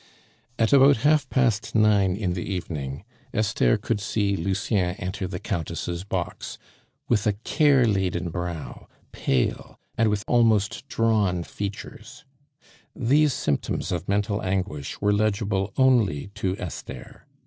At about half past nine in the evening Esther could see Lucien enter the Countess' box, with a care laden brow, pale, and with almost drawn features. These symptoms of mental anguish were legible only to Esther.